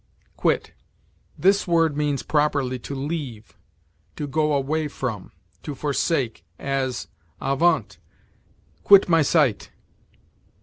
QUIT. This word means, properly, to leave, to go away from, to forsake; as, "Avaunt! quit my sight."